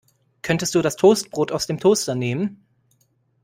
Könntest du das Toastbrot aus dem Toaster nehmen.